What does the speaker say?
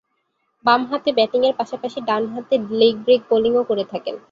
বামহাতে ব্যাটিংয়ের পাশাপাশি ডানহাতে লেগ ব্রেক বোলিং করে থাকেন।